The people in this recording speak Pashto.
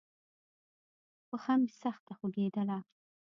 پښه مې سخته خوږېدله.